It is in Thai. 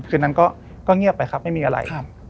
คืนนั้นก็เงียบไปครับไม่มีอะไร